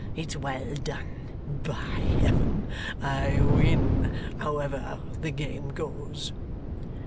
It's well done! By Heaven! I win, however the game goes.